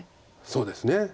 そうですね。